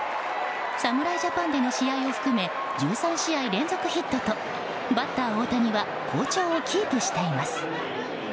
侍ジャパンでの試合を含め１３試合連続ヒットとバッター大谷は好調をキープしています。